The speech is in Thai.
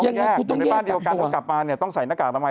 อย่างนี้ในบ้านเดียวกันกลับมาต้องใส่หน้ากากทำไม